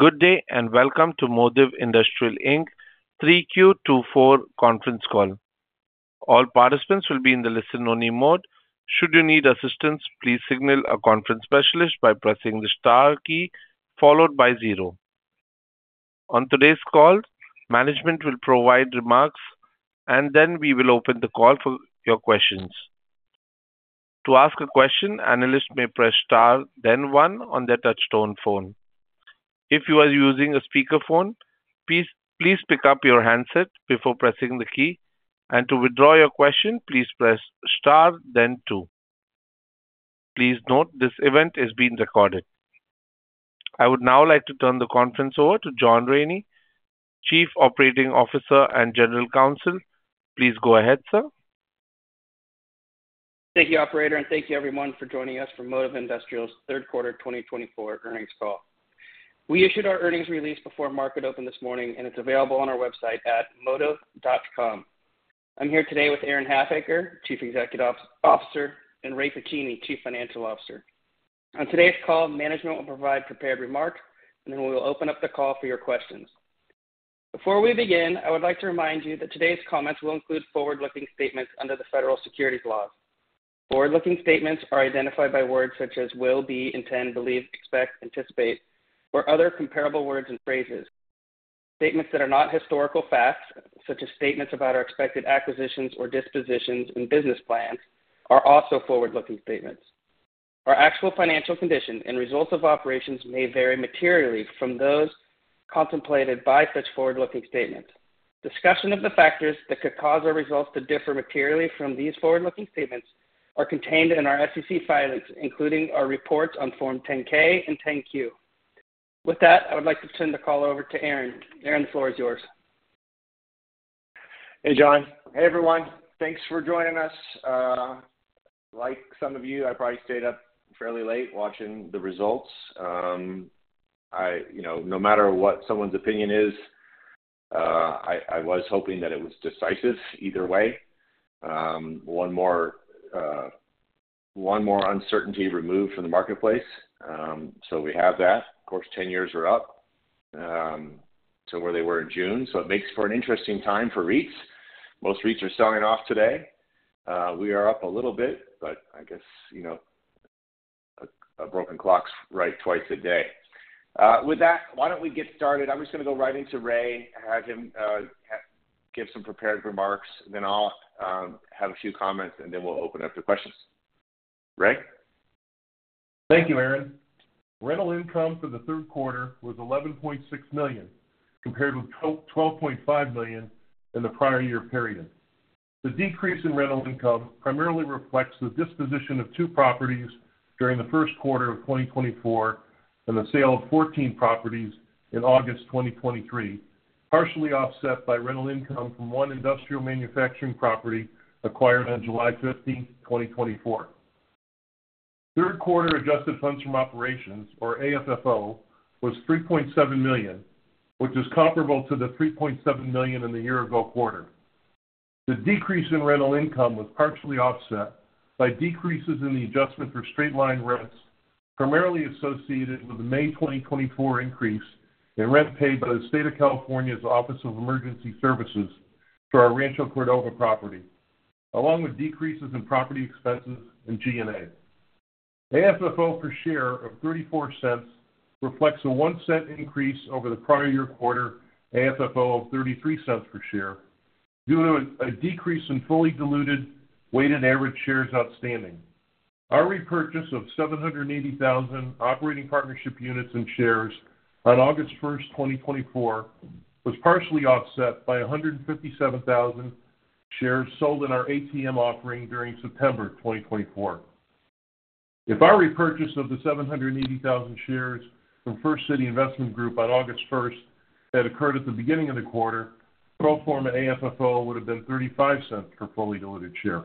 Good day and welcome to Modiv Industrial Inc. 3Q24 conference call. All participants will be in the listen-only mode. Should you need assistance, please signal a conference specialist by pressing the star key followed by zero. On today's call, management will provide remarks, and then we will open the call for your questions. To ask a question, analysts may press star, then one on their touch-tone phone. If you are using a speakerphone, please pick up your handset before pressing the key, and to withdraw your question, please press star, then two. Please note this event is being recorded. I would now like to turn the conference over to John Raney, Chief Operating Officer and General Counsel. Please go ahead, sir. Thank you, Operator, and thank you, everyone, for joining us for Modiv Industrial's third quarter 2024 earnings call. We issued our earnings release before market open this morning, and it's available on our website at modiv.com. I'm here today with Aaron Halfacre, Chief Executive Officer, and Ray Pacini, Chief Financial Officer. On today's call, management will provide prepared remarks, and then we will open up the call for your questions. Before we begin, I would like to remind you that today's comments will include forward-looking statements under the federal securities laws. Forward-looking statements are identified by words such as will, be, intend, believe, expect, anticipate, or other comparable words and phrases. Statements that are not historical facts, such as statements about our expected acquisitions or dispositions and business plans, are also forward-looking statements. Our actual financial condition and results of operations may vary materially from those contemplated by such forward-looking statements. Discussion of the factors that could cause our results to differ materially from these forward-looking statements are contained in our SEC filings, including our reports on Form 10-K and 10-Q. With that, I would like to turn the call over to Aaron. Aaron, the floor is yours. Hey, John. Hey, everyone. Thanks for joining us. Like some of you, I probably stayed up fairly late watching the results. No matter what someone's opinion is, I was hoping that it was decisive either way. One more uncertainty removed from the marketplace. So we have that. Of course, 10 years are up to where they were in June. So it makes for an interesting time for REITs. Most REITs are selling off today. We are up a little bit, but I guess a broken clock's right twice a day. With that, why don't we get started? I'm just going to go right into Ray, have him give some prepared remarks, then I'll have a few comments, and then we'll open it up to questions. Ray? Thank you, Aaron. Rental income for the third quarter was $11.6 million compared with $12.5 million in the prior year period. The decrease in rental income primarily reflects the disposition of two properties during the first quarter of 2024 and the sale of 14 properties in August 2023, partially offset by rental income from one industrial manufacturing property acquired on July 15th, 2024. Third quarter adjusted funds from operations, or AFFO, was $3.7 million, which is comparable to the $3.7 million in the year-ago quarter. The decrease in rental income was partially offset by decreases in the adjustment for straight-line rents primarily associated with the May 2024 increase in rent paid by the State of California's Office of Emergency Services for our Rancho Cordova property, along with decreases in property expenses and G&A. AFFO per share of $0.34 reflects a $0.01 increase over the prior year quarter AFFO of $0.33 per share due to a decrease in fully diluted weighted average shares outstanding. Our repurchase of 780,000 operating partnership units and shares on August 1st, 2024, was partially offset by 157,000 shares sold in our ATM offering during September 2024. If our repurchase of the 780,000 shares from First City Investment Group on August 1st had occurred at the beginning of the quarter, pro forma AFFO would have been $0.35 per fully diluted share.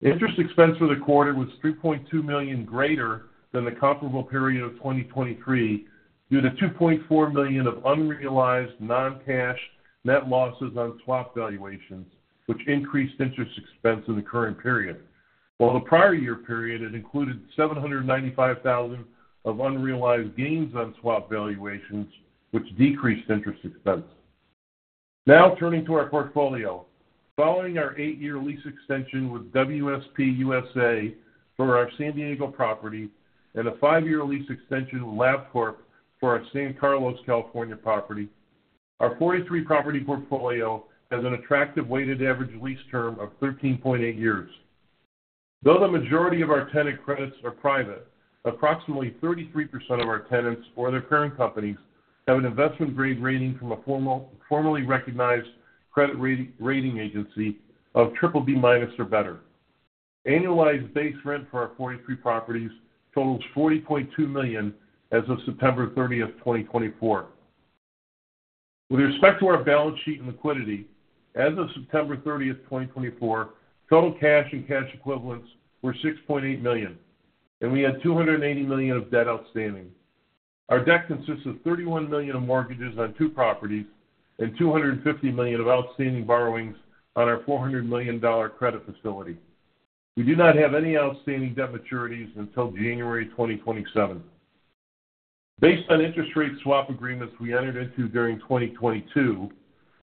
Interest expense for the quarter was $3.2 million greater than the comparable period of 2023 due to $2.4 million of unrealized non-cash net losses on swap valuations, which increased interest expense in the current period, while the prior year period had included $795,000 of unrealized gains on swap valuations, which decreased interest expense. Now turning to our portfolio. Following our eight-year lease extension with WSP USA for our San Diego property and a five-year lease extension with Labcorp for our San Carlos, California property, our 43-property portfolio has an attractive weighted average lease term of 13.8 years. Though the majority of our tenant credits are private, approximately 33% of our tenants or their current companies have an investment-grade rating from a formally recognized credit rating agency of BBB minus or better. Annualized base rent for our 43 properties totals $40.2 million as of September 30th, 2024. With respect to our balance sheet and liquidity, as of September 30th, 2024, total cash and cash equivalents were $6.8 million, and we had $280 million of debt outstanding. Our debt consists of $31 million of mortgages on two properties and $250 million of outstanding borrowings on our $400 million credit facility. We do not have any outstanding debt maturities until January 2027. Based on interest rate swap agreements we entered into during 2022,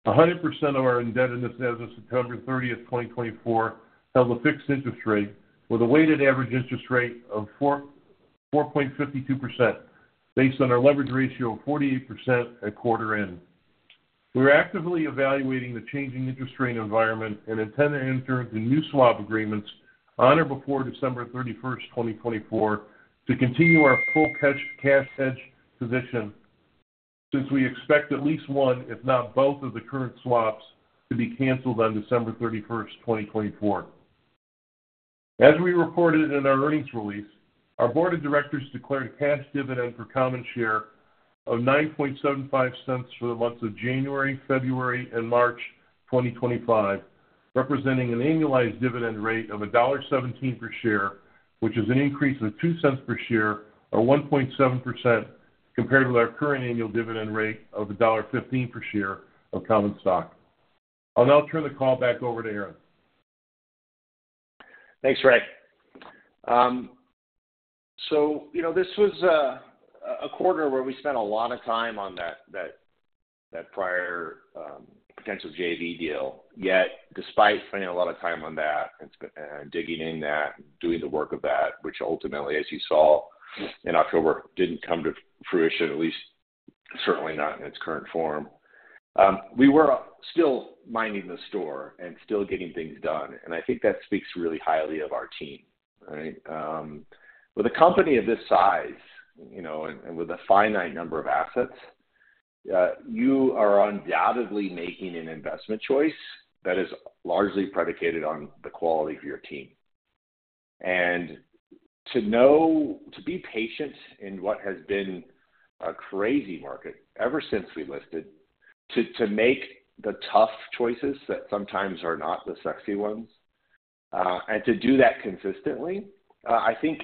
100% of our indebtedness as of September 30th, 2024, held a fixed interest rate with a weighted average interest rate of 4.52% based on our leverage ratio of 48% at quarter end. We are actively evaluating the changing interest rate environment and intend to enter into new swap agreements on or before December 31st, 2024, to continue our full cash hedge position since we expect at least one, if not both, of the current swaps to be canceled on December 31st, 2024. As we reported in our earnings release, our board of directors declared a cash dividend per common share of $0.0975 for the months of January, February, and March 2025, representing an annualized dividend rate of $1.17 per share, which is an increase of $0.02 per share or 1.7% compared with our current annual dividend rate of $1.15 per share of common stock. I'll now turn the call back over to Aaron. Thanks, Ray. So this was a quarter where we spent a lot of time on that prior potential JV deal. Yet, despite spending a lot of time on that and digging in that and doing the work of that, which ultimately, as you saw in October, didn't come to fruition, at least certainly not in its current form, we were still minding the store and still getting things done. And I think that speaks really highly of our team, right? With a company of this size and with a finite number of assets, you are undoubtedly making an investment choice that is largely predicated on the quality of your team. To be patient in what has been a crazy market ever since we listed, to make the tough choices that sometimes are not the sexy ones, and to do that consistently, I think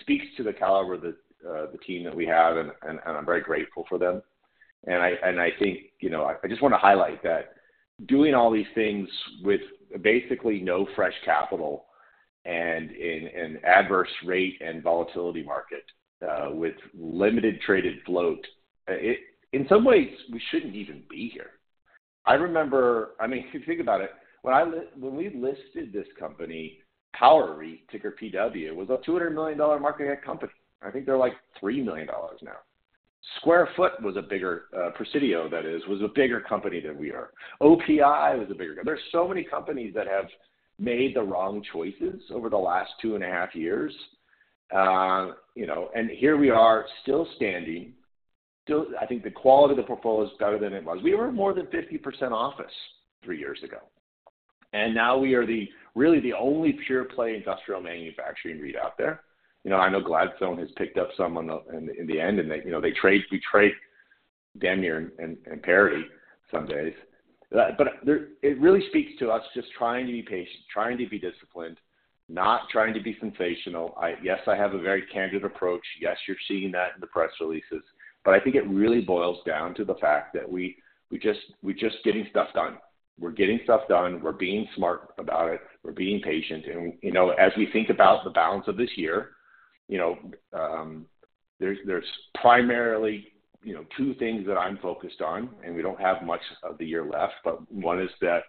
speaks to the caliber of the team that we have, and I'm very grateful for them. I think I just want to highlight that doing all these things with basically no fresh capital and an adverse rate and volatility market with limited traded float, in some ways, we shouldn't even be here. I mean, if you think about it, when we listed this company, Power REIT, ticker PW, was a $200 million market cap company. I think they're like $3 million now. Square Foot, Presidio, that is, was a bigger company than we are. OPI was a bigger company. There are so many companies that have made the wrong choices over the last two and a half years, and here we are still standing. I think the quality of the portfolio is better than it was. We were more than 50% office three years ago, and now we are really the only pure-play industrial manufacturing REIT out there. I know Gladstone has picked up some in the end, and we trade de minimis and parity some days. It really speaks to us just trying to be patient, trying to be disciplined, not trying to be sensational. Yes, I have a very candid approach. Yes, you're seeing that in the press releases. I think it really boils down to the fact that we're just getting stuff done. We're getting stuff done. We're being smart about it. We're being patient. As we think about the balance of this year, there's primarily two things that I'm focused on, and we don't have much of the year left, but one is that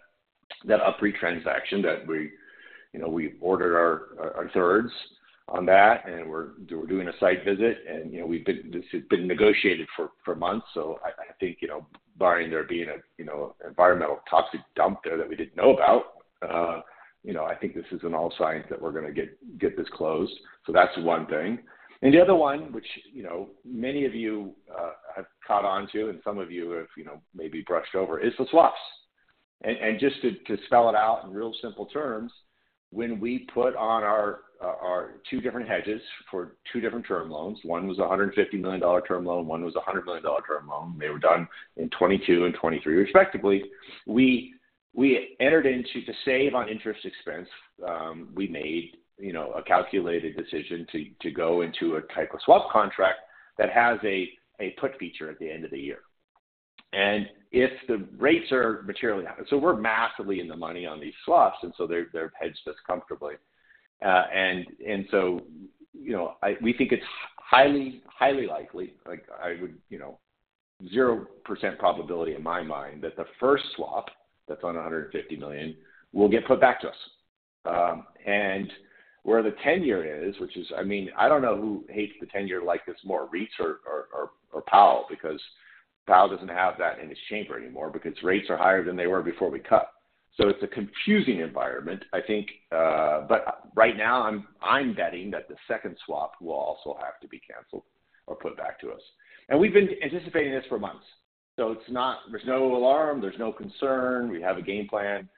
UPRE transaction that we ordered our thirds on that, and we're doing a site visit. This has been negotiated for months. I think, barring there being an environmental toxic dump there that we didn't know about, I think this is a good sign that we're going to get this closed. That's one thing. The other one, which many of you have caught on to, and some of you have maybe brushed over, is the swaps. Just to spell it out in real simple terms, when we put on our two different hedges for two different term loans, one was a $150 million term loan, one was a $100 million term loan. They were done in 2022 and 2023, respectively. We entered into, to save on interest expense, we made a calculated decision to go into a type of swap contract that has a put feature at the end of the year. If the rates are materially high, so we're massively in the money on these swaps, and so they hedge us comfortably. We think it's highly likely, I would 0% probability in my mind, that the first swap that's on $150 million will get put back to us. Where the tenure is, which is, I mean, I don't know who hates the tenure like this more, REITs or PAL, because PAL doesn't have that in its chamber anymore because rates are higher than they were before we cut. It's a confusing environment, I think. But right now, I'm betting that the second swap will also have to be canceled or put back to us. And we've been anticipating this for months. So there's no alarm. There's no concern. We have a game plan.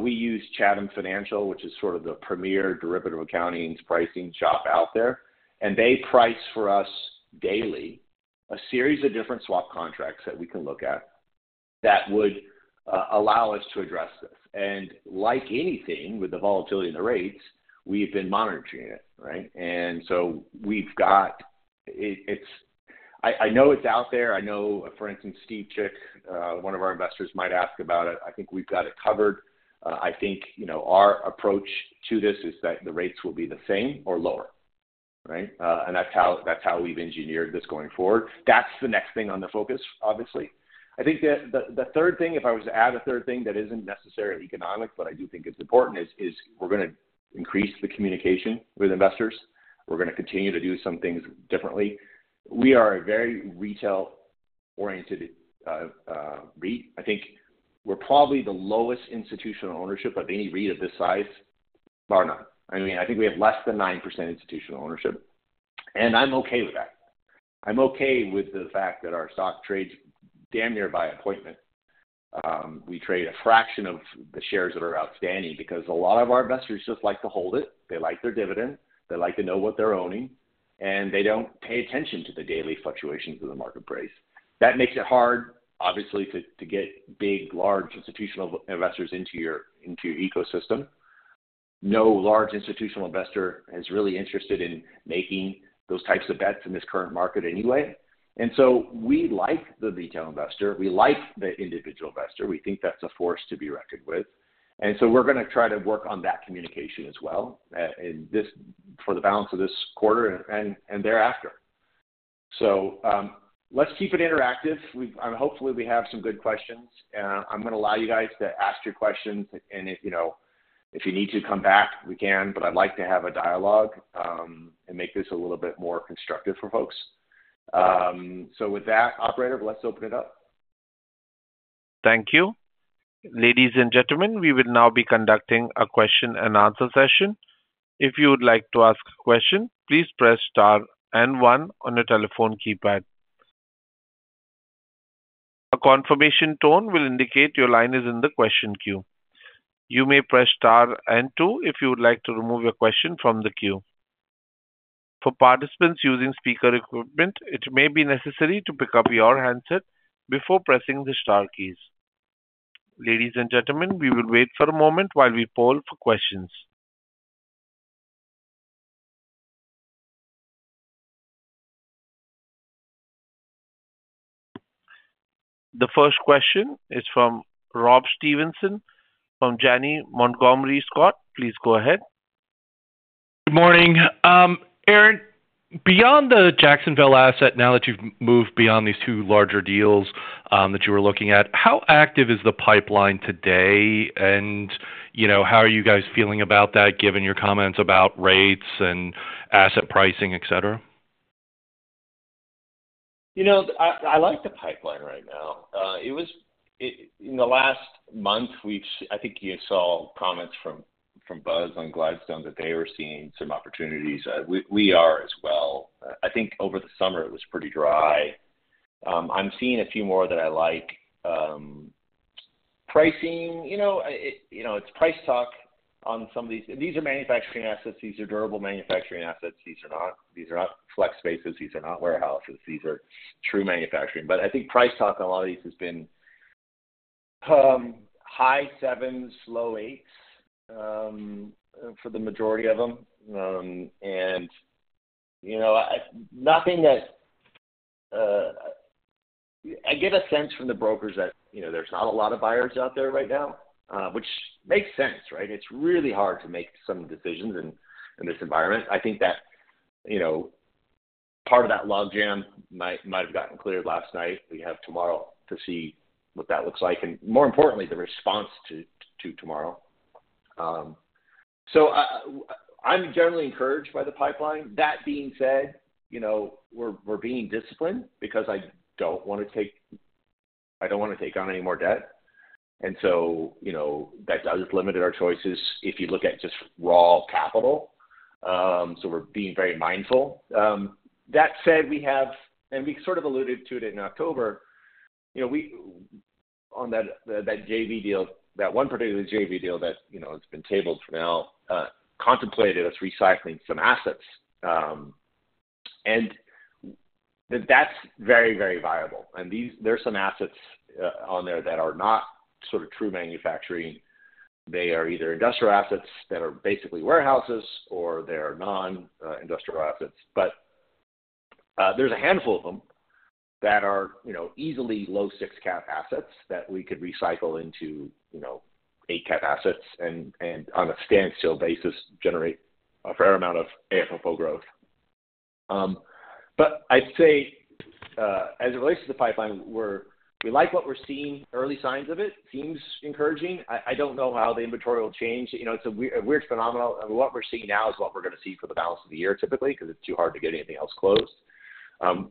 We use Chatham Financial, which is sort of the premier derivative accounting pricing shop out there. And they price for us daily a series of different swap contracts that we can look at that would allow us to address this. And like anything with the volatility and the rates, we've been monitoring it, right? And so we've got it. I know it's out there. I know, for instance, Steve Chick, one of our investors, might ask about it. I think we've got it covered. I think our approach to this is that the rates will be the same or lower, right? And that's how we've engineered this going forward. That's the next thing on the focus, obviously. I think the third thing, if I was to add a third thing that isn't necessarily economic, but I do think it's important, is we're going to increase the communication with investors. We're going to continue to do some things differently. We are a very retail-oriented REIT. I think we're probably the lowest institutional ownership of any REIT of this size, bar none. I mean, I think we have less than 9% institutional ownership. And I'm okay with that. I'm okay with the fact that our stock trades damn near by appointment. We trade a fraction of the shares that are outstanding because a lot of our investors just like to hold it. They like their dividend. They like to know what they're owning, and they don't pay attention to the daily fluctuations of the market price. That makes it hard, obviously, to get big, large institutional investors into your ecosystem. No large institutional investor is really interested in making those types of bets in this current market anyway. And so we like the retail investor. We like the individual investor. We think that's a force to be reckoned with. And so we're going to try to work on that communication as well for the balance of this quarter and thereafter. So let's keep it interactive. Hopefully, we have some good questions. I'm going to allow you guys to ask your questions. And if you need to come back, we can, but I'd like to have a dialogue and make this a little bit more constructive for folks. So with that, Operator, let's open it up. Thank you. Ladies and gentlemen, we will now be conducting a question-and-answer session. If you would like to ask a question, please press Star and one on your telephone keypad. A confirmation tone will indicate your line is in the question queue. You may press Star and two if you would like to remove your question from the queue. For participants using speaker equipment, it may be necessary to pick up your handset before pressing the star keys. Ladies and gentlemen, we will wait for a moment while we poll for questions. The first question is from Rob Stevenson from Janney Montgomery Scott. Please go ahead. Good morning. Aaron, beyond the Jacksonville asset, now that you've moved beyond these two larger deals that you were looking at, how active is the pipeline today? And how are you guys feeling about that, given your comments about rates and asset pricing, etc.? You know, I like the pipeline right now. In the last month, I think you saw comments from Buzz on Gladstone that they were seeing some opportunities. We are as well. I think over the summer, it was pretty dry. I'm seeing a few more that I like. Pricing, you know, it's price talk on some of these. And these are manufacturing assets. These are durable manufacturing assets. These are not flex spaces. These are not warehouses. These are true manufacturing. But I think price talk on a lot of these has been high sevens, low eights for the majority of them. And I get a sense from the brokers that there's not a lot of buyers out there right now, which makes sense, right? It's really hard to make some decisions in this environment. I think that part of that log jam might have gotten cleared last night. We have tomorrow to see what that looks like. And more importantly, the response to tomorrow. So I'm generally encouraged by the pipeline. That being said, we're being disciplined because I don't want to take on any more debt. And so that does limit our choices if you look at just raw capital. So we're being very mindful. That said, we have and we sort of alluded to it in October. On that JV deal, that one particular JV deal that has been tabled for now, contemplated us recycling some assets. And that's very, very viable. And there are some assets on there that are not sort of true manufacturing. They are either industrial assets that are basically warehouses, or they are non-industrial assets. But there's a handful of them that are easily low six-cap assets that we could recycle into eight-cap assets and, on a standstill basis, generate a fair amount of AFFO growth. But I'd say, as it relates to the pipeline, we like what we're seeing. Early signs of it seem encouraging. I don't know how the inventory will change. It's a weird phenomenon. What we're seeing now is what we're going to see for the balance of the year, typically, because it's too hard to get anything else closed.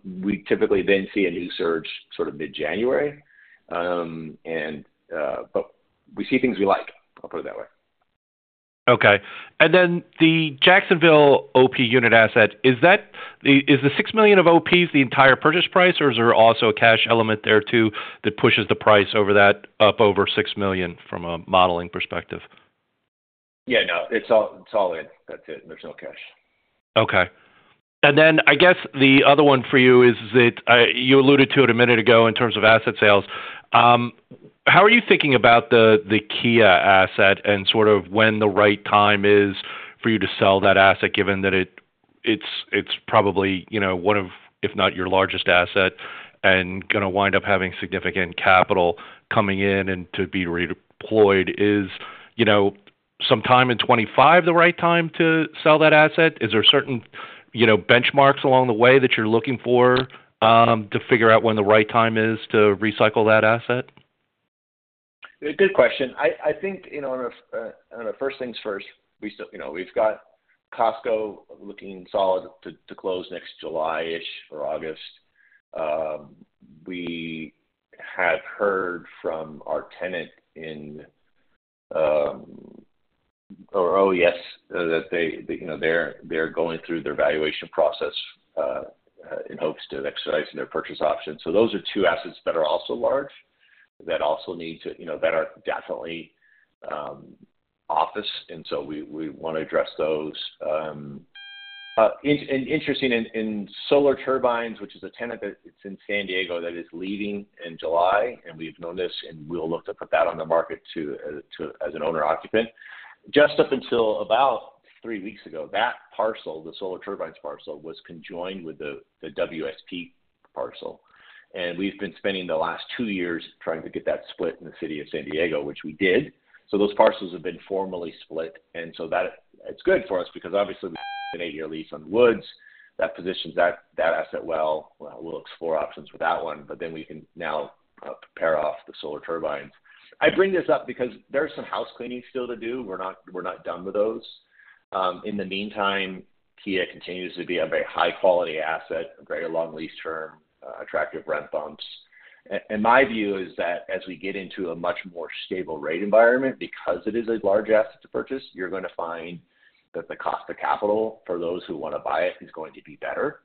We typically then see a new surge sort of mid-January. But we see things we like. I'll put it that way. Okay. And then the Jacksonville OP unit asset, is the $6 million of OPs the entire purchase price, or is there also a cash element there too that pushes the price up over $6 million from a modeling perspective? Yeah, no. It's all in. That's it. There's no cash. Okay, and then I guess the other one for you is that you alluded to it a minute ago in terms of asset sales. How are you thinking about the Kia asset and sort of when the right time is for you to sell that asset, given that it's probably one of, if not your largest asset, and going to wind up having significant capital coming in and to be redeployed? Is sometime in 2025 the right time to sell that asset? Is there certain benchmarks along the way that you're looking for to figure out when the right time is to recycle that asset? Good question. I think, first things first, we've got Costco looking solid to close next July-ish or August. We have heard from our tenant in OES that they're going through their valuation process in hopes to exercise their purchase options. So those are two assets that are also large that also need to that are definitely office. And so we want to address those. Interesting in Solar Turbines, which is a tenant that's in San Diego that is leaving in July. And we've known this, and we'll look to put that on the market as an owner-occupant. Just up until about three weeks ago, that parcel, the Solar Turbines parcel, was conjoined with the WSP parcel. And we've been spending the last two years trying to get that split in the city of San Diego, which we did. So those parcels have been formally split. That's good for us because, obviously, we've got an eight-year lease on Wood. That positions that asset well. We'll explore options for that one. We can now pair off the Solar Turbines. I bring this up because there's some house cleaning still to do. We're not done with those. In the meantime, Kia continues to be a very high-quality asset, a very long lease term, attractive rent bumps. My view is that as we get into a much more stable rate environment, because it is a large asset to purchase, you're going to find that the cost of capital for those who want to buy it is going to be better.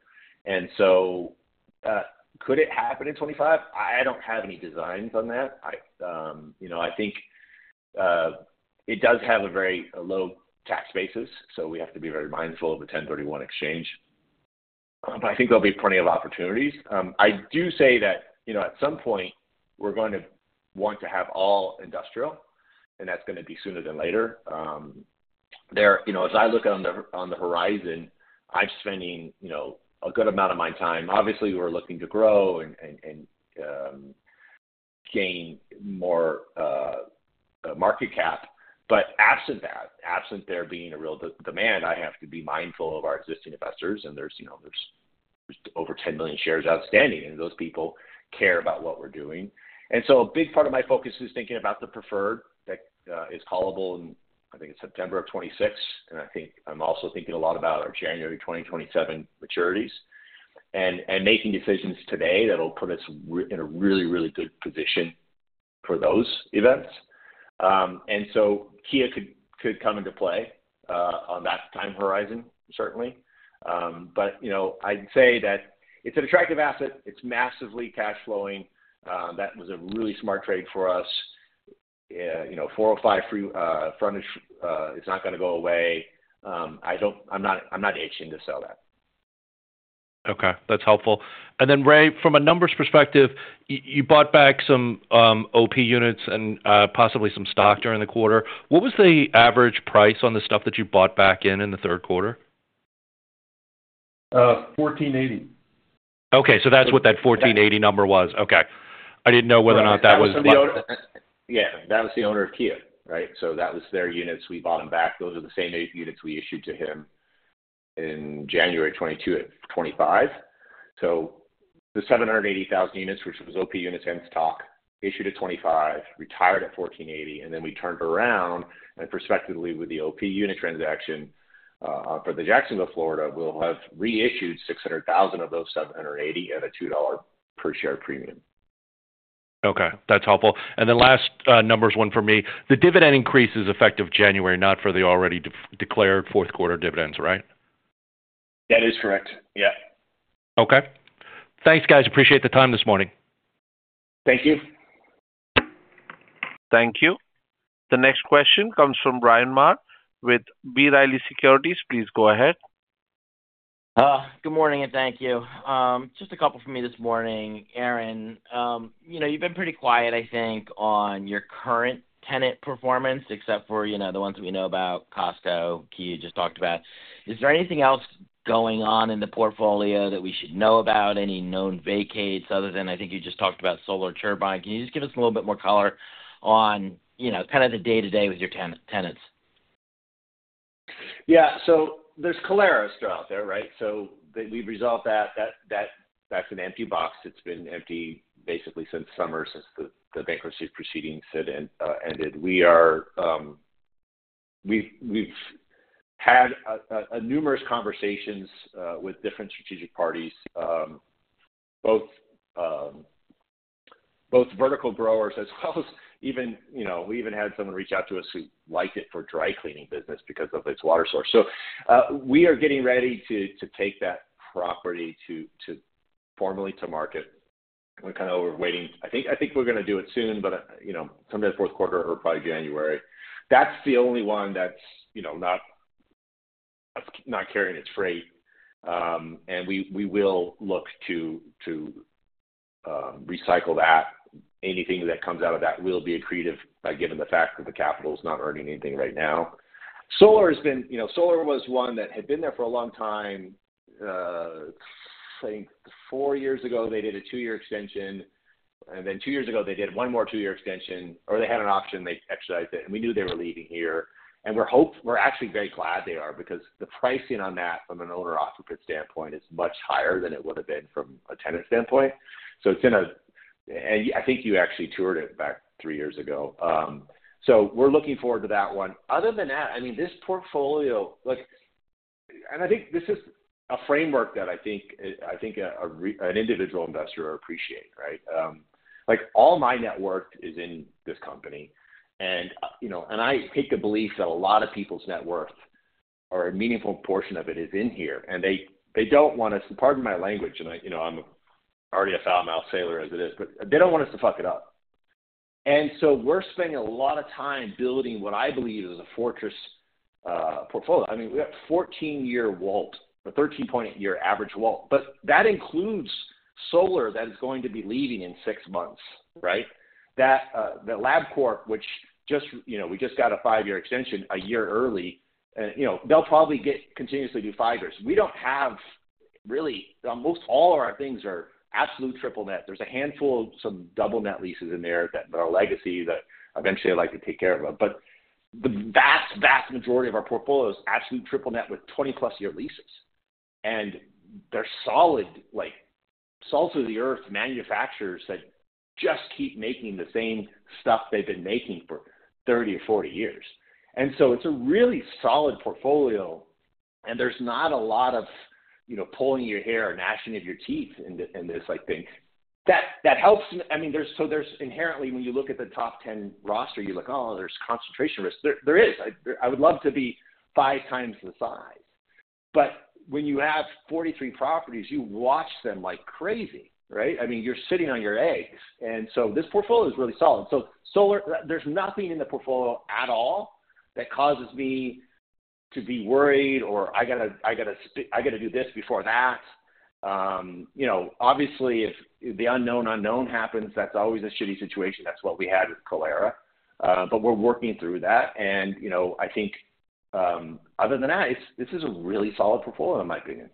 Could it happen in 2025? I don't have any designs on that. I think it does have a very low tax basis. So we have to be very mindful of the 1031 exchange. But I think there'll be plenty of opportunities. I do say that at some point, we're going to want to have all industrial. And that's going to be sooner than later. As I look on the horizon, I'm spending a good amount of my time. Obviously, we're looking to grow and gain more market cap. But absent that, absent there being a real demand, I have to be mindful of our existing investors. And there's over 10 million shares outstanding. And those people care about what we're doing. And so a big part of my focus is thinking about the preferred that is callable in, I think, September of 2026. And I think I'm also thinking a lot about our January 2027 maturities and making decisions today that will put us in a really, really good position for those events. And so Kia could come into play on that time horizon, certainly. But I'd say that it's an attractive asset. It's massively cash-flowing. That was a really smart trade for us. 405 free frontage is not going to go away. I'm not itching to sell that. Okay. That's helpful. And then, Ray, from a numbers perspective, you bought back some OP units and possibly some stock during the quarter. What was the average price on the stuff that you bought back in the third quarter? $1,480. Okay. So that's what that $1,480 number was. Okay. I didn't know whether or not that was. Yeah. That was the owner of Kia, right? So that was their units. We bought them back. Those are the same eight units we issued to him in January 2022 at $25. So the 780,000 units, which was OP units and stock, issued at $25, retired at $1.480. And then we turned around and prospectively, with the OP unit transaction for the Jacksonville, Florida, we'll have reissued 600,000 of those 780 at a $2 per share premium. Okay. That's helpful. And then last one for me. The dividend increase is effective January, not for the already declared fourth quarter dividends, right? That is correct. Yeah. Okay. Thanks, guys. Appreciate the time this morning. Thank you. Thank you. The next question comes from Bryan Maher with B. Riley Securities. Please go ahead. Good morning and thank you. Just a couple for me this morning. Aaron, you've been pretty quiet, I think, on your current tenant performance, except for the ones that we know about Costco, Kia you just talked about. Is there anything else going on in the portfolio that we should know about? Any known vacates other than, I think you just talked about Solar Turbines? Can you just give us a little bit more color on kind of the day-to-day with your tenants? Yeah. So there's Kalera still out there, right? So we've resolved that. That's an empty box. It's been empty basically since summer, since the bankruptcy proceedings ended. We've had numerous conversations with different strategic parties, both vertical growers as well as even we had someone reach out to us who liked it for dry cleaning business because of its water source. So we are getting ready to take that property formally to market. We're kind of waiting. I think we're going to do it soon, but sometime fourth quarter or probably January. That's the only one that's not carrying its freight. And we will look to recycle that. Anything that comes out of that will be accretive given the fact that the capital is not earning anything right now. Solar has been. Solar was one that had been there for a long time. I think four years ago, they did a two-year extension. And then two years ago, they did one more two-year extension, or they had an option. They exercised it. And we knew they were leaving here. And we're actually very glad they are because the pricing on that, from an owner-occupant standpoint, is much higher than it would have been from a tenant standpoint. So it's in a, and I think you actually toured it back three years ago. So we're looking forward to that one. Other than that, I mean, this portfolio, and I think this is a framework that I think an individual investor would appreciate, right? All my net worth is in this company. And I take the belief that a lot of people's net worth, or a meaningful portion of it, is in here. And they don't want us, pardon my language. I'm already a foul-mouthed sailor as it is, but they don't want us to fuck it up. So we're spending a lot of time building what I believe is a fortress portfolio. I mean, we have a 14-year WALT, a 13.8-year average WALT. That includes solar that is going to be leaving in six months, right? That Labcorp, which we just got a five-year extension a year early, they'll probably continuously do five years. We don't have really almost all of our things are absolute triple net. There's a handful of some double net leases in there that are legacy that eventually I'd like to take care of. The vast, vast majority of our portfolio is absolute triple net with 20-plus year leases. They're solid, like salts of the earth manufacturers that just keep making the same stuff they've been making for 30 or 40 years. And so it's a really solid portfolio. And there's not a lot of pulling your hair or gnashing of your teeth in this thing. That helps. I mean, so there's inherently, when you look at the top 10 roster, you're like, "Oh, there's concentration risk." There is. I would love to be five times the size. But when you have 43 properties, you watch them like crazy, right? I mean, you're sitting on your eggs. And so this portfolio is really solid. So there's nothing in the portfolio at all that causes me to be worried or, "I got to do this before that." Obviously, if the unknown unknown happens, that's always a shitty situation. That's what we had with Kalera. But we're working through that. And I think other than that, this is a really solid portfolio, in my opinion.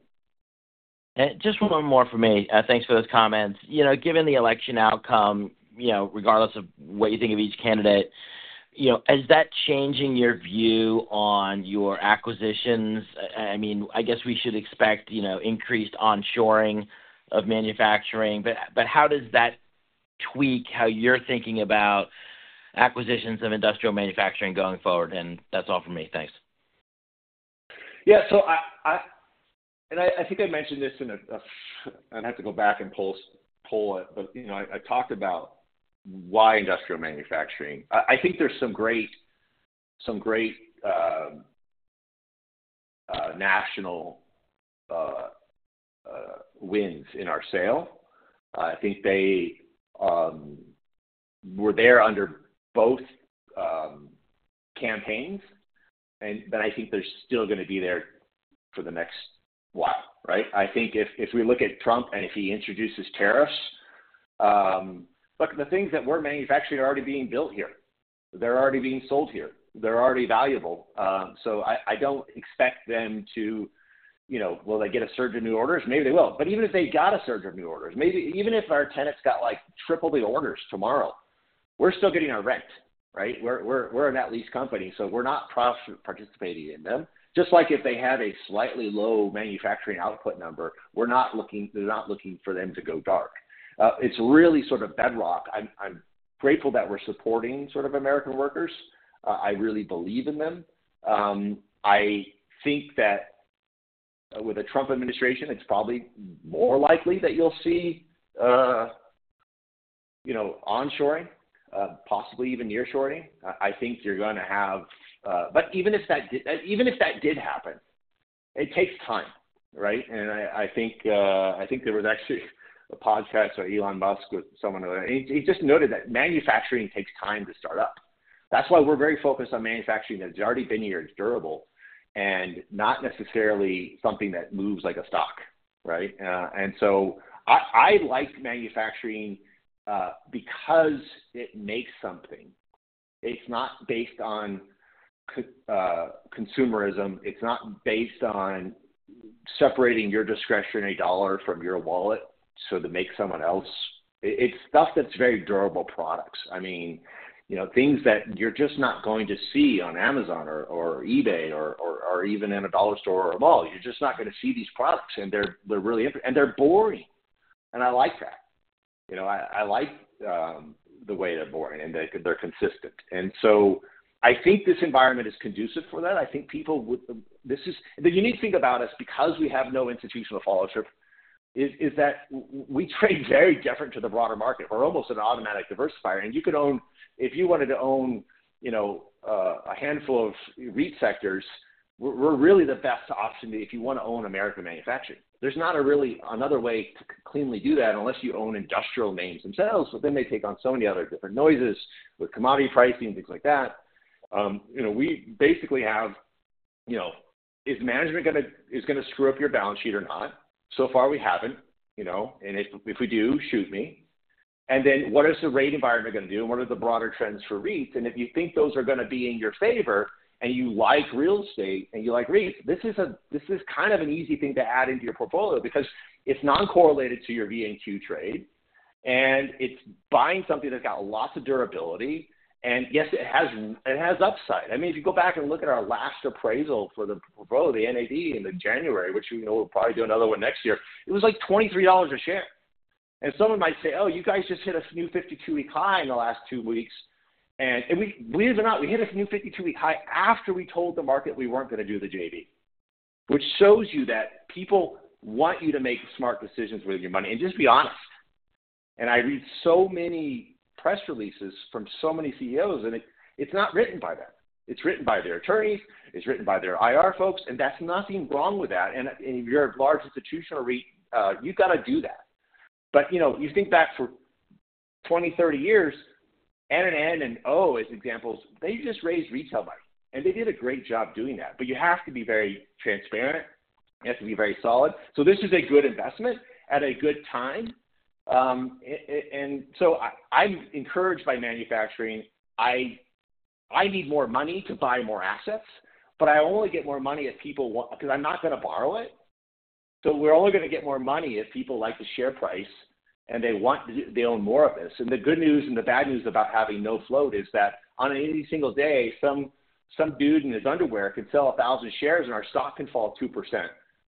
Just one more for me. Thanks for those comments. Given the election outcome, regardless of what you think of each candidate, is that changing your view on your acquisitions? I mean, I guess we should expect increased onshoring of manufacturing. But how does that tweak how you're thinking about acquisitions of industrial manufacturing going forward? And that's all for me. Thanks. Yeah, and I think I mentioned this in a. I'd have to go back and pull it, but I talked about why industrial manufacturing. I think there's some great national wins in our sale. I think they were there under both campaigns, but I think they're still going to be there for the next while, right? I think if we look at Trump and if he introduces tariffs, look, the things that we're manufacturing are already being built here. They're already being sold here. They're already valuable. So I don't expect them to. Will they get a surge of new orders? Maybe they will. But even if they got a surge of new orders, maybe even if our tenants got triple the orders tomorrow, we're still getting our rent, right? We're a net-lease company. So we're not participating in them. Just like if they have a slightly low manufacturing output number, we're not looking for them to go dark. It's really sort of bedrock. I'm grateful that we're supporting sort of American workers. I really believe in them. I think that with a Trump administration, it's probably more likely that you'll see onshoring, possibly even nearshoring. I think you're going to have, but even if that did happen, it takes time, right? And I think there was actually a podcast with Elon Musk with someone who just noted that manufacturing takes time to start up. That's why we're very focused on manufacturing that's already been here and durable and not necessarily something that moves like a stock, right? And so I like manufacturing because it makes something. It's not based on consumerism. It's not based on separating your discretionary dollar from your wallet to make someone else. It's stuff that's very durable products. I mean, things that you're just not going to see on Amazon or eBay or even in a dollar store or a mall. You're just not going to see these products. And they're really, and they're boring. And I like that. I like the way they're boring and they're consistent. And so I think this environment is conducive for that. I think people would. The unique thing about us, because we have no institutional follow-through, is that we trade very different to the broader market. We're almost an automatic diversifier. And you could own. If you wanted to own a handful of REIT sectors, we're really the best option if you want to own American manufacturing. There's not really another way to cleanly do that unless you own industrial names themselves. But then they take on so many other different noises with commodity pricing, things like that. We basically have—is management going to screw up your balance sheet or not? So far, we haven't. And if we do, shoot me. And then what is the rate environment going to do? And what are the broader trends for REITs? And if you think those are going to be in your favor and you like real estate and you like REITs, this is kind of an easy thing to add into your portfolio because it's non-correlated to your VNQ trade. And it's buying something that's got lots of durability. And yes, it has upside. I mean, if you go back and look at our last appraisal for the portfolio, the NAV in January, which we'll probably do another one next year, it was like $23 a share. Someone might say, "Oh, you guys just hit a new 52-week high in the last two weeks." Believe it or not, we hit a new 52-week high after we told the market we weren't going to do the JV, which shows you that people want you to make smart decisions with your money. I read so many press releases from so many CEOs, and it's not written by them. It's written by their attorneys. It's written by their IR folks. That's nothing wrong with that. If you're a large institutional REIT, you've got to do that. You think back for 20, 30 years, NNN and O as examples, they just raised retail money. They did a great job doing that. You have to be very transparent. You have to be very solid. So this is a good investment at a good time. And so I'm encouraged by manufacturing. I need more money to buy more assets. But I only get more money if people want, because I'm not going to borrow it. So we're only going to get more money if people like the share price and they own more of this. And the good news and the bad news about having no float is that on any single day, some dude in his underwear can sell 1,000 shares and our stock can fall 2%,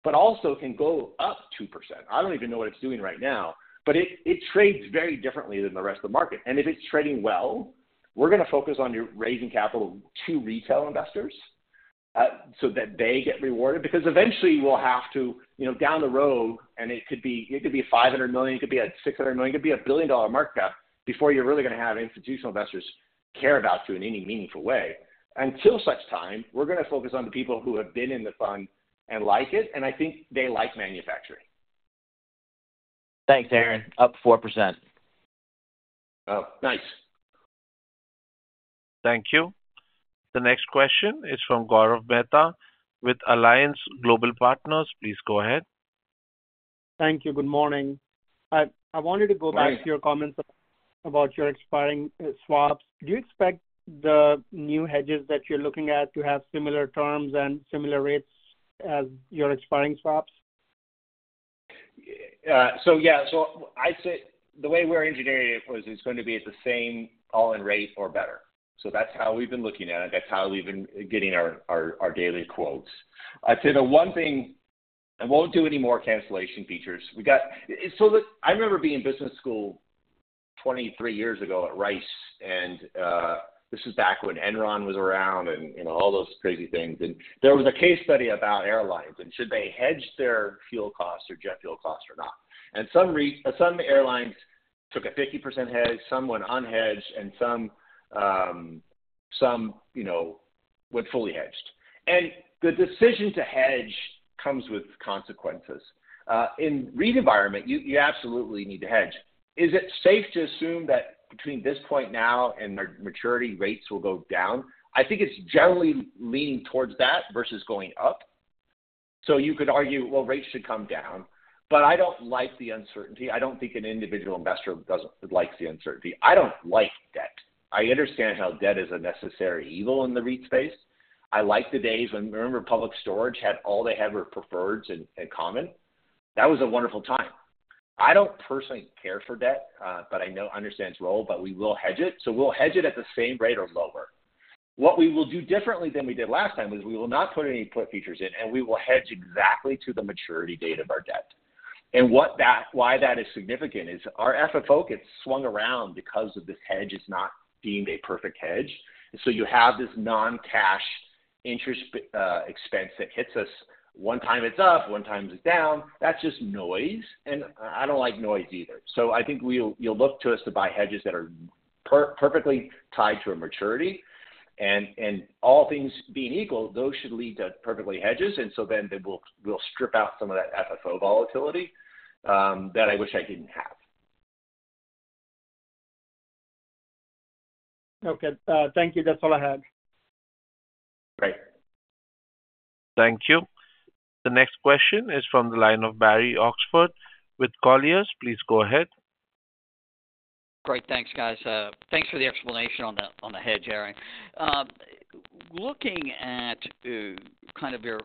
but also can go up 2%. I don't even know what it's doing right now. But it trades very differently than the rest of the market. And if it's trading well, we're going to focus on raising capital to retail investors so that they get rewarded. Because eventually, we'll have to down the road, and it could be $500 million. It could be at $600 million. It could be a $1 billion market cap before you're really going to have institutional investors care about you in any meaningful way. Until such time, we're going to focus on the people who have been in the fund and like it. And I think they like manufacturing. Thanks, Aaron. Up 4%. Oh, nice. Thank you. The next question is from Gaurav Mehta with Alliance Global Partners. Please go ahead. Thank you. Good morning. I wanted to go back to your comments about your expiring swaps. Do you expect the new hedges that you're looking at to have similar terms and similar rates as your expiring swaps? So yeah. So I'd say the way we're engineering it is going to be at the same all-in rate or better. So that's how we've been looking at it. That's how we've been getting our daily quotes. I'd say the one thing, and we won't do any more cancellation features. So I remember being in business school 23 years ago at Rice. And this was back when Enron was around and all those crazy things. And there was a case study about airlines and should they hedge their fuel costs or jet fuel costs or not. And some airlines took a 50% hedge. Some went unhedged. And some went fully hedged. And the decision to hedge comes with consequences. In REIT environment, you absolutely need to hedge. Is it safe to assume that between this point now and maturity rates will go down? I think it's generally leaning towards that versus going up. So you could argue, "Well, rates should come down." But I don't like the uncertainty. I don't think an individual investor likes the uncertainty. I don't like debt. I understand how debt is a necessary evil in the REIT space. I like the days when, remember, Public Storage had all they had were preferreds and common. That was a wonderful time. I don't personally care for debt, but I understand its role. But we will hedge it. So we'll hedge it at the same rate or lower. What we will do differently than we did last time is we will not put any put features in. And we will hedge exactly to the maturity date of our debt. And why that is significant is our FFO gets swung around because this hedge is not deemed a perfect hedge. And so you have this non-cash interest expense that hits us. One time it's up. One time it's down. That's just noise. And I don't like noise either. So I think you'll look to us to buy hedges that are perfectly tied to a maturity. And all things being equal, those should lead to perfect hedges. And so then we'll strip out some of that FFO volatility that I wish I didn't have. Okay. Thank you. That's all I had. Great. Thank you. The next question is from the line of Barry Oxford with Colliers. Please go ahead. Great. Thanks, guys. Thanks for the explanation on the hedge, Aaron. Looking at kind of your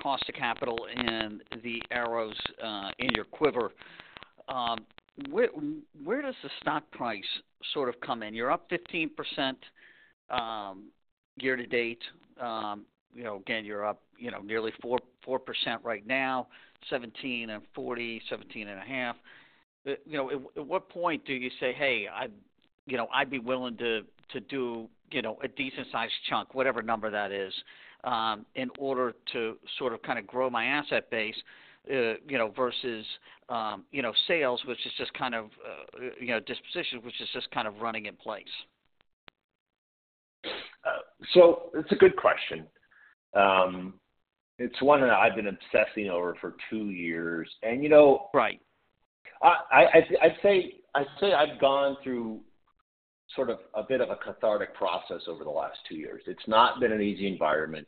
cost of capital and the arrows in your quiver, where does the stock price sort of come in? You're up 15% year to date. Again, you're up nearly 4% right now, $17.40, $17.50. At what point do you say, "Hey, I'd be willing to do a decent-sized chunk, whatever number that is, in order to sort of kind of grow my asset base versus sales, which is just kind of disposition, which is just kind of running in place"? It's a good question. It's one that I've been obsessing over for two years. I'd say I've gone through sort of a bit of a cathartic process over the last two years. It's not been an easy environment.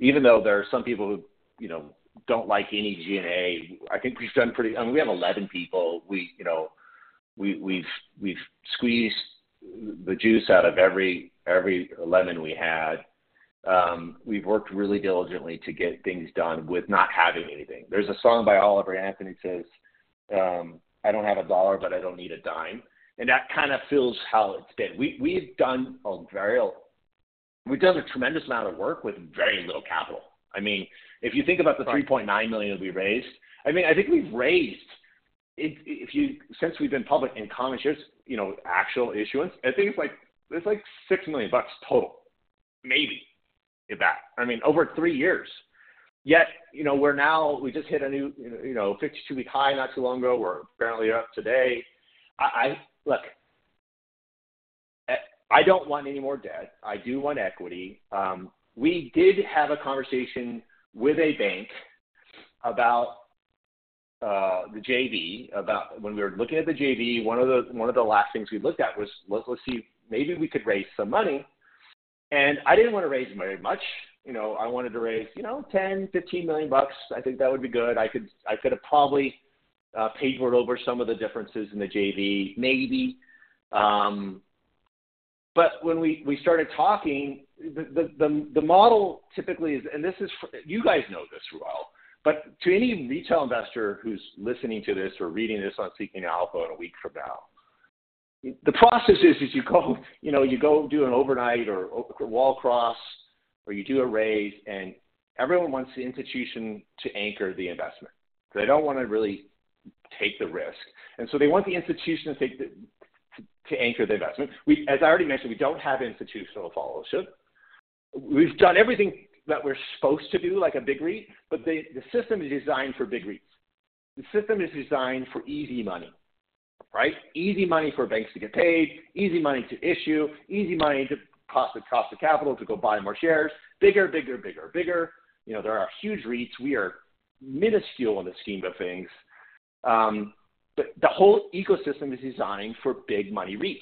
Even though there are some people who don't like any G&A, I think we've done pretty, I mean, we have 11 people. We've squeezed the juice out of every lemon we had. We've worked really diligently to get things done with not having anything. There's a song by Oliver Anthony that says, "I don't have a dollar, but I don't need a dime." That kind of fills how it's been. We've done a tremendous amount of work with very little capital. I mean, if you think about the $3.9 million that we raised, I mean, I think we've raised—if you—since we've been public in common shares, actual issuance, I think it's like $6 million total, maybe, if that. I mean, over three years. Yet we're now—we just hit a new 52-week high not too long ago. We're apparently up today. Look, I don't want any more debt. I do want equity. We did have a conversation with a bank about the JV. When we were looking at the JV, one of the last things we looked at was, "Let's see. Maybe we could raise some money." And I didn't want to raise very much. I wanted to raise $10 million-$15 million. I think that would be good. I could have probably papered over some of the differences in the JV, maybe. But when we started talking, the model typically is, and you guys know this through it all. But to any retail investor who's listening to this or reading this on Seeking Alpha in a week from now, the process is you go do an overnight or a wall cross, or you do a raise, and everyone wants the institution to anchor the investment. They don't want to really take the risk. And so they want the institution to anchor the investment. As I already mentioned, we don't have institutional follow-through. We've done everything that we're supposed to do like a big REIT. But the system is designed for big REITs. The system is designed for easy money, right? Easy money for banks to get paid, easy money to issue, easy money to cost of capital to go buy more shares, bigger, bigger, bigger, bigger. There are huge REITs. We are minuscule on the scheme of things. But the whole ecosystem is designed for big money REITs.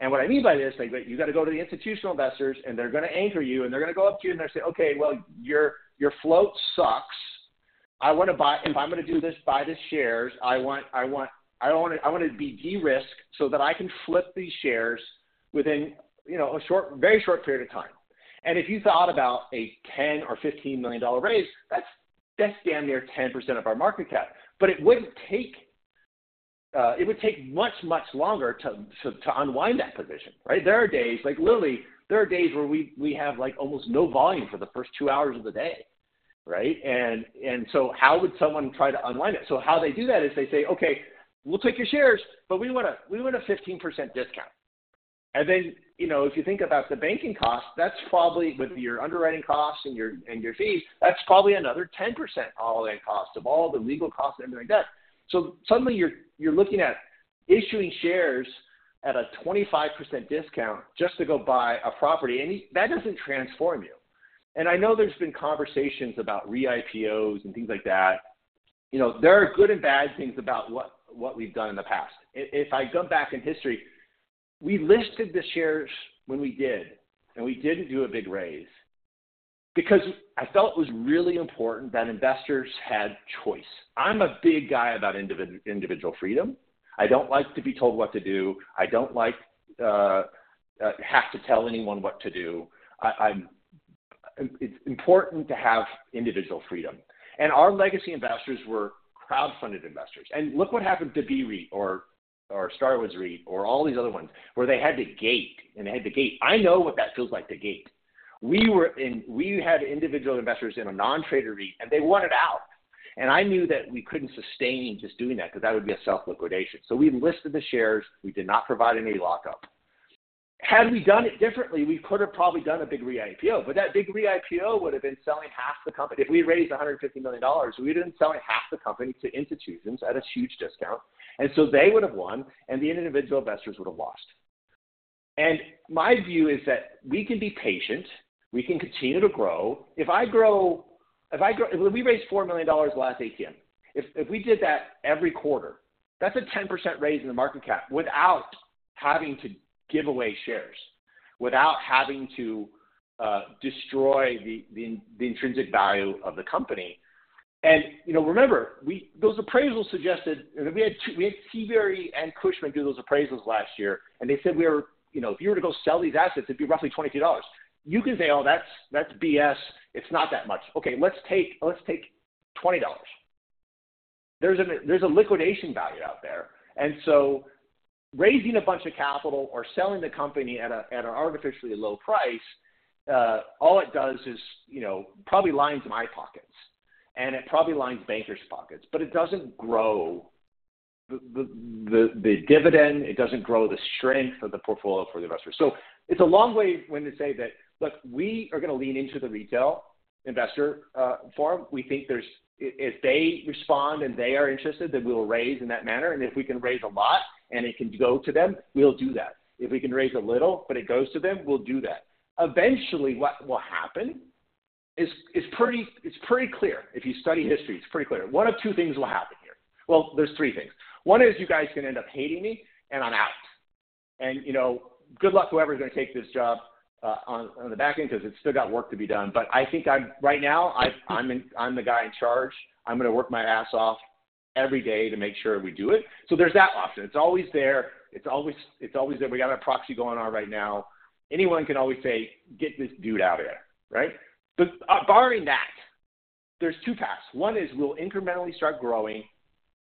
And what I mean by this is you got to go to the institutional investors, and they're going to anchor you. And they're going to go up to you, and they're going to say, "Okay. Well, your float sucks. If I'm going to do this, buy these shares, I want to be de-risked so that I can flip these shares within a very short period of time." And if you thought about a $10 milllion or $15 million raise, that's damn near 10% of our market cap. But it would take much, much longer to unwind that position, right? There are days, literally, there are days where we have almost no volume for the first two hours of the day, right? And so how would someone try to unwind it? So how they do that is they say, "Okay. We'll take your shares, but we want a 15% discount." And then if you think about the banking costs, that's probably with your underwriting costs and your fees, that's probably another 10% all-in cost of all the legal costs and everything like that. So suddenly, you're looking at issuing shares at a 25% discount just to go buy a property. And that doesn't transform you. And I know there's been conversations about re-IPOs and things like that. There are good and bad things about what we've done in the past. If I go back in history, we listed the shares when we did. And we didn't do a big raise because I felt it was really important that investors had choice. I'm a big guy about individual freedom. I don't like to be told what to do. I don't like to have to tell anyone what to do. It's important to have individual freedom, and our legacy investors were crowdfunded investors. Look what happened to BREIT or Starwood REIT or all these other ones where they had to gate, and they had to gate. I know what that feels like to gate. We had individual investors in a non-traded REIT, and they wanted out, and I knew that we couldn't sustain just doing that because that would be a self-liquidation, so we listed the shares. We did not provide any lockup. Had we done it differently, we could have probably done a big re-IPO, but that big re-IPO would have been selling half the company. If we raised $150 million, we would have been selling half the company to institutions at a huge discount. And so they would have won, and the individual investors would have lost. And my view is that we can be patient. We can continue to grow. If I grow, if we raised $4 million last ATM, if we did that every quarter, that's a 10% raise in the market cap without having to give away shares, without having to destroy the intrinsic value of the company. And remember, those appraisals suggested, we had CBRE and Cushman do those appraisals last year. And they said, "If you were to go sell these assets, it'd be roughly $22." You can say, "Oh, that's BS. It's not that much. Okay. Let's take $20." There's a liquidation value out there. And so raising a bunch of capital or selling the company at an artificially low price, all it does is probably lines my pockets. And it probably lines bankers' pockets. But it doesn't grow the dividend. It doesn't grow the strength of the portfolio for the investors. So it's a long way when they say that, "Look, we are going to lean into the retail investor firm. We think if they respond and they are interested, then we'll raise in that manner. And if we can raise a lot and it can go to them, we'll do that. If we can raise a little but it goes to them, we'll do that." Eventually, what will happen is pretty clear. If you study history, it's pretty clear. One of two things will happen here. Well, there's three things. One is you guys can end up hating me, and I'm out. And good luck whoever's going to take this job on the back end because it's still got work to be done. But I think right now, I'm the guy in charge. I'm going to work my ass off every day to make sure we do it. So there's that option. It's always there. It's always there. We got a proxy going on right now. Anyone can always say, "Get this dude out of here," right? But barring that, there's two paths. One is we'll incrementally start growing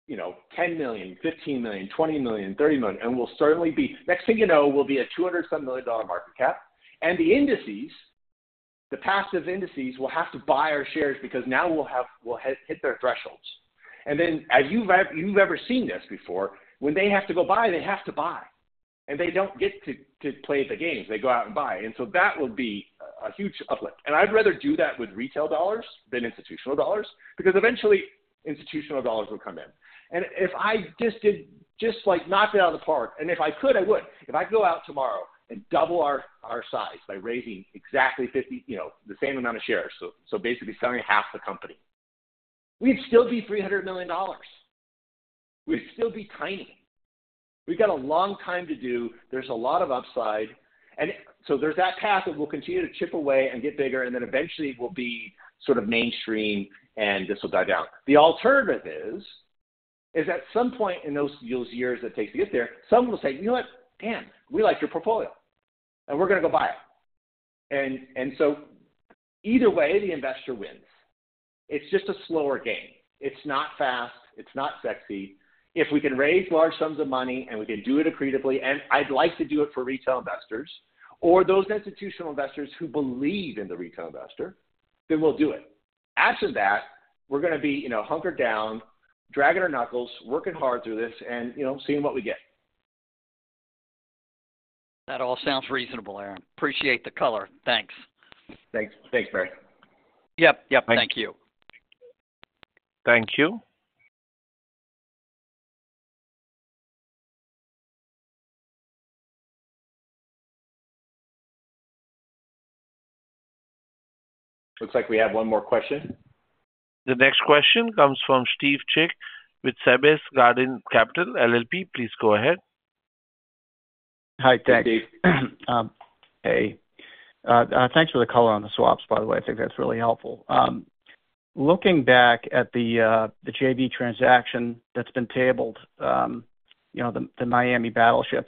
$10 million, $15 million, $20 million, $30 million. And we'll certainly be. Next thing you know, we'll be at $200-some million market cap. And the indices, the passive indices, will have to buy our shares because now we'll hit their thresholds. And then as you've ever seen this before, when they have to go buy, they have to buy. And they don't get to play the games. They go out and buy. And so that will be a huge uplift. And I'd rather do that with retail dollars than institutional dollars because eventually, institutional dollars will come in. And if I just did just like knock it out of the park - and if I could, I would - if I could go out tomorrow and double our size by raising exactly the same amount of shares, so basically selling half the company, we'd still be $300 million. We'd still be tiny. We've got a long time to do. There's a lot of upside. And so there's that path that we'll continue to chip away and get bigger. And then eventually, we'll be sort of mainstream, and this will die down. The alternative is that at some point in those years it takes to get there, someone will say, "You know what? Damn. We like your portfolio. And we're going to go buy it." And so either way, the investor wins. It's just a slower game. It's not fast. It's not sexy. If we can raise large sums of money and we can do it accretively, and I'd like to do it for retail investors or those institutional investors who believe in the retail investor, then we'll do it. After that, we're going to be hunkered down, dragging our knuckles, working hard through this, and seeing what we get. That all sounds reasonable, Aaron. Appreciate the color. Thanks. Thanks, Barry. Yep. Yep. Thank you. Thank you. Looks like we have one more question. The next question comes from Steve Chick with Sabis Garden Capital LLP. Please go ahead. Hey. Thanks for the color on the swaps, by the way. I think that's really helpful. Looking back at the JV transaction that's been tabled, the Miami battleship,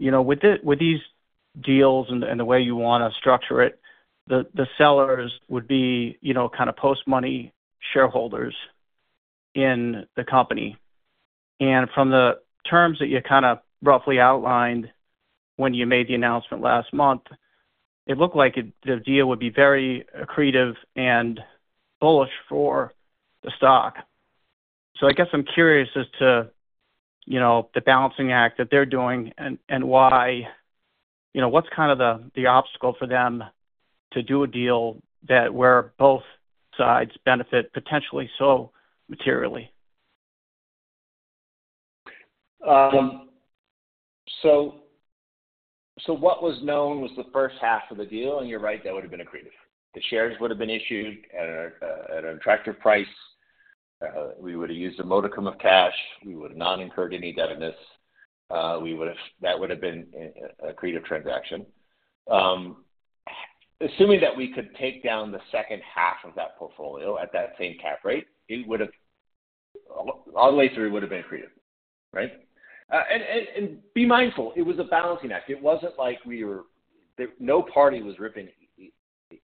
with these deals and the way you want to structure it, the sellers would be kind of post-money shareholders in the company. And from the terms that you kind of roughly outlined when you made the announcement last month, it looked like the deal would be very accretive and bullish for the stock. So I guess I'm curious as to the balancing act that they're doing and what's kind of the obstacle for them to do a deal where both sides benefit potentially so materially. So what was known was the first half of the deal. And you're right. That would have been accretive. The shares would have been issued at an attractive price. We would have used a modicum of cash. We would have not incurred any debt in this. That would have been an accretive transaction. Assuming that we could take down the second half of that portfolio at that same cap rate, all the way through, it would have been accretive, right? And be mindful, it was a balancing act. It wasn't like we were. No party was ripping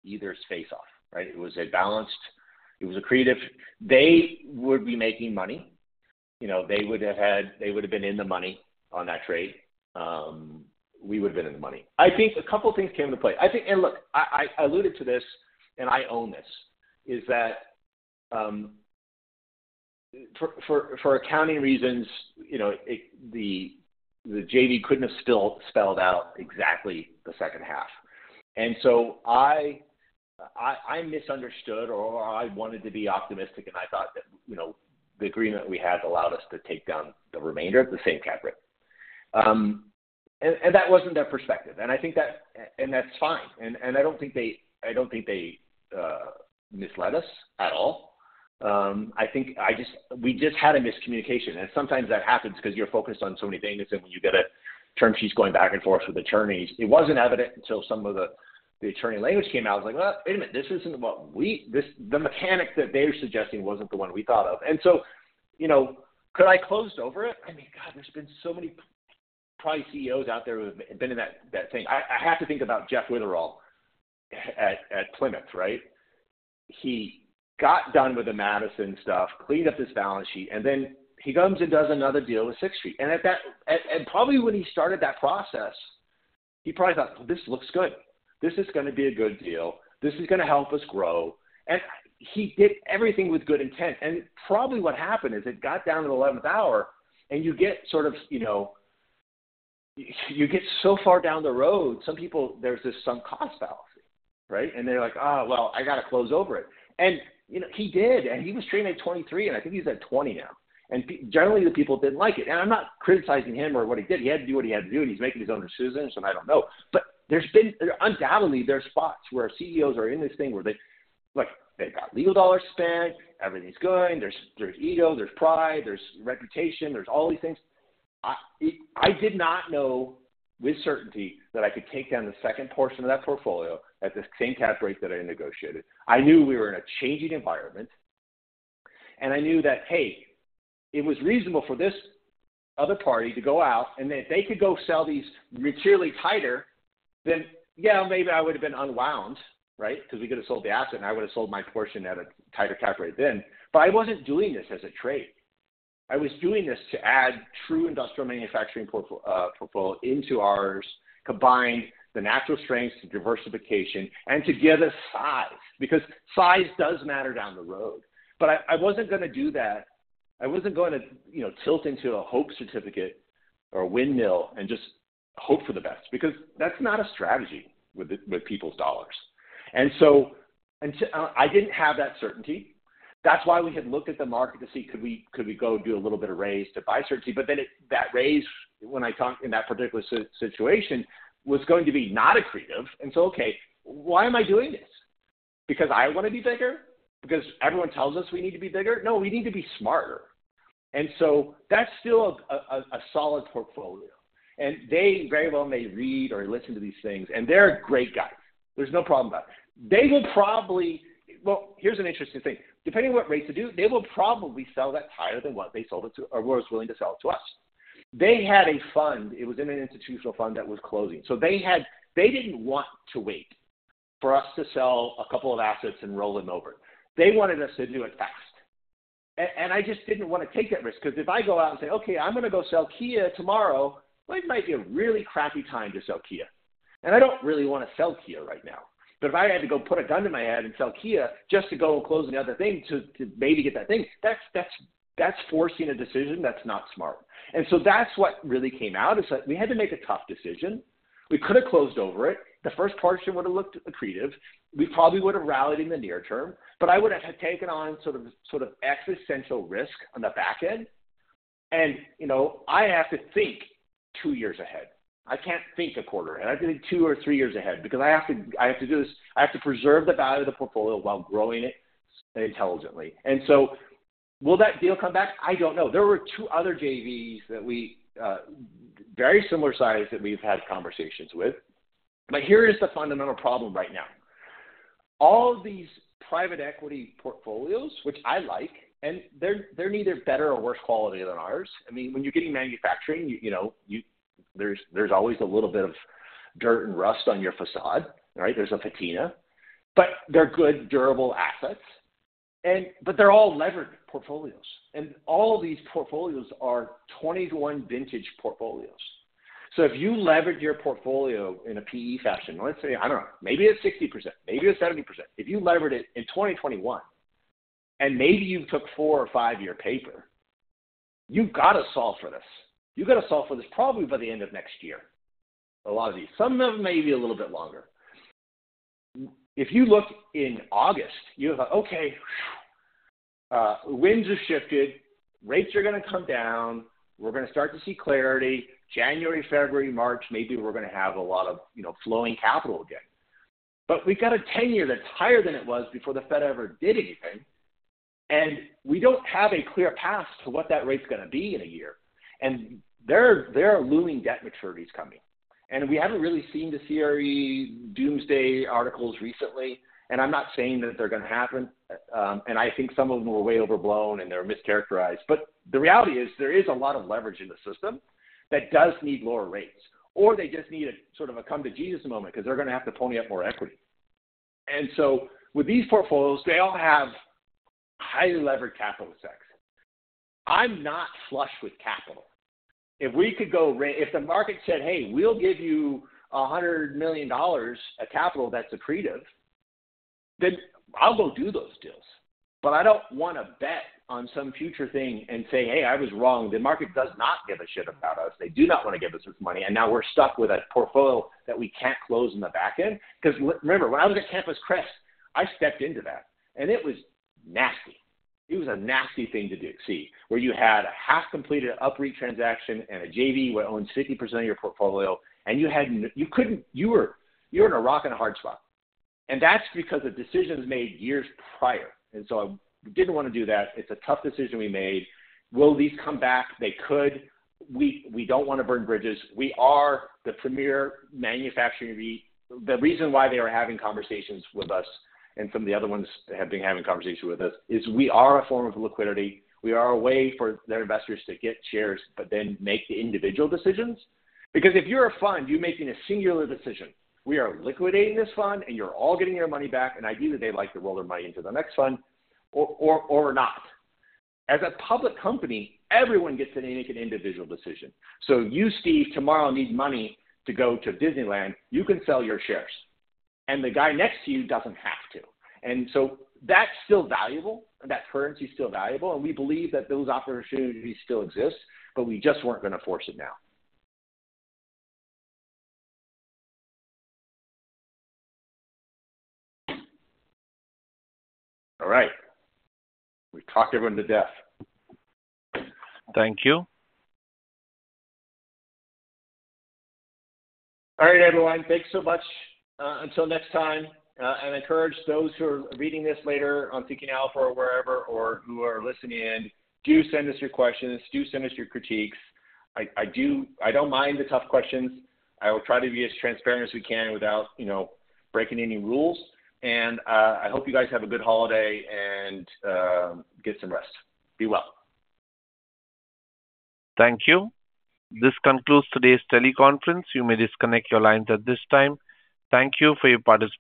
either's face off, right? It was a balanced. It was accretive. They would be making money. They would have been in the money on that trade. We would have been in the money. I think a couple of things came into play. And look, I alluded to this, and I own this, that is, for accounting reasons, the JV couldn't have still spelled out exactly the second half. And so I misunderstood, or I wanted to be optimistic, and I thought that the agreement we had allowed us to take down the remainder at the same cap rate. And that wasn't their perspective. And I think that, and that's fine. And I don't think they misled us at all. I think we just had a miscommunication. And sometimes that happens because you're focused on so many things. And when you get a term sheet going back and forth with attorneys, it wasn't evident until some of the attorney language came out. I was like, "Well, wait a minute. This isn't what we - the mechanic that they're suggesting - wasn't the one we thought of." And so could I close over it? I mean, God, there's been so many probably CEOs out there who have been in that thing. I have to think about Jeff Witherell at Plymouth, right? He got done with the Madison stuff, cleaned up his balance sheet, and then he comes and does another deal with Sixth Street. And probably when he started that process, he probably thought, "This looks good. This is going to be a good deal. This is going to help us grow." And he did everything with good intent. And probably what happened is it got down to the 11th hour, and you get sort of, you get so far down the road, some people, there's this sunk cost fallacy, right? And they're like, "Oh, well, I got to close over it." And he did. And he was trading at 23. And I think he's at 20 now. And generally, the people didn't like it. And I'm not criticizing him or what he did. He had to do what he had to do. And he's making his own decisions. And I don't know. But undoubtedly, there are spots where CEOs are in this thing where they've got legal dollars spent. Everything's going. There's ego. There's pride. There's reputation. There's all these things. I did not know with certainty that I could take down the second portion of that portfolio at the same cap rate that I negotiated. I knew we were in a changing environment. And I knew that, hey, it was reasonable for this other party to go out. And then if they could go sell these materially tighter, then yeah, maybe I would have been unwound, right? Because we could have sold the asset. And I would have sold my portion at a tighter cap rate then. But I wasn't doing this as a trade. I was doing this to add true industrial manufacturing portfolio into ours, combine the natural strengths to diversification, and to give us size because size does matter down the road. But I wasn't going to do that. I wasn't going to tilt into a hope certificate or a windmill and just hope for the best because that's not a strategy with people's dollars. And so I didn't have that certainty. That's why we had looked at the market to see, could we go do a little bit of raise to buy certainty? But then that raise, when I talked in that particular situation, was going to be not accretive. And so, okay, why am I doing this? Because I want to be bigger? Because everyone tells us we need to be bigger? No, we need to be smarter. And so that's still a solid portfolio. And they very well may read or listen to these things. And they're great guys. There's no problem about it. They will probably. Well, here's an interesting thing. Depending on what rate to do, they will probably sell that higher than what they sold it to or were willing to sell it to us. They had a fund. It was in an institutional fund that was closing. So they didn't want to wait for us to sell a couple of assets and roll them over. They wanted us to do it fast. And I just didn't want to take that risk because if I go out and say, "Okay. I'm going to go sell Kia tomorrow," it might be a really crappy time to sell Kia. And I don't really want to sell Kia right now. But if I had to go put a gun to my head and sell Kia just to go and close another thing to maybe get that thing, that's forcing a decision that's not smart. And so that's what really came out is that we had to make a tough decision. We could have closed over it. The first portion would have looked accretive. We probably would have rallied in the near term. But I would have taken on sort of existential risk on the back end. And I have to think two years ahead. I can't think a quarter. I have to think two or three years ahead because I have to do this. I have to preserve the value of the portfolio while growing it intelligently. And so will that deal come back? I don't know. There were two other JVs that were very similar size that we've had conversations with. But here is the fundamental problem right now. All of these private equity portfolios, which I like, and they're neither better or worse quality than ours. I mean, when you're getting manufacturing, there's always a little bit of dirt and rust on your facade, right? There's a patina. But they're good, durable assets. But they're all levered portfolios. And all of these portfolios are 2021 vintage portfolios. So if you levered your portfolio in a PE fashion, let's say, I don't know, maybe it's 60%, maybe it's 70%. If you levered it in 2021 and maybe you took four or five-year paper, you've got to solve for this. You've got to solve for this probably by the end of next year, a lot of these. Some of them may be a little bit longer. If you look in August, you're like, "Okay. Winds have shifted. Rates are going to come down. We're going to start to see clarity. January, February, March, maybe we're going to have a lot of flowing capital again." But we've got a 10-year that's higher than it was before the Fed ever did anything. And we don't have a clear path to what that rate's going to be in a year. And there are looming debt maturities coming. And we haven't really seen the CRE doomsday articles recently. And I'm not saying that they're going to happen. And I think some of them were way overblown, and they're mischaracterized. But the reality is there is a lot of leverage in the system that does need lower rates. Or they just need a sort of a come-to-Jesus moment because they're going to have to pony up more equity. And so with these portfolios, they all have highly levered capitalists. I'm not flush with capital. If we could go, if the market said, "Hey, we'll give you $100 million of capital that's accretive," then I'll go do those deals. But I don't want to bet on some future thing and say, "Hey, I was wrong." The market does not give a shit about us. They do not want to give us this money. And now we're stuck with a portfolio that we can't close in the back end. Because remember, when I was at Campus Crest, I stepped into that. And it was nasty. It was a nasty thing to do, see, where you had a half-completed UPREIT transaction and a JV that owned 60% of your portfolio. And you couldn't. You're in a rock and a hard spot. And that's because of decisions made years prior. And so I didn't want to do that. It's a tough decision we made. Will these come back? They could. We don't want to burn bridges. We are the premier manufacturing REIT, the reason why they were having conversations with us and some of the other ones have been having conversations with us is we are a form of liquidity. We are a way for their investors to get shares but then make the individual decisions. Because if you're a fund, you're making a singular decision. We are liquidating this fund, and you're all getting your money back. And ideally, they'd like to roll their money into the next fund or not. As a public company, everyone gets to make an individual decision. So you, Steve, tomorrow need money to go to Disneyland. You can sell your shares. And the guy next to you doesn't have to. And so that's still valuable. And that currency is still valuable. And we believe that those opportunities still exist. But we just weren't going to force it now. All right. We've talked everyone to death. Thank you. All right, everyone. Thanks so much. Until next time. And I encourage those who are reading this later on Seeking Alpha or wherever or who are listening in, do send us your questions. Do send us your critiques. I don't mind the tough questions. I will try to be as transparent as we can without breaking any rules. And I hope you guys have a good holiday and get some rest. Be well. Thank you. This concludes today's teleconference. You may disconnect your lines at this time. Thank you for your participation.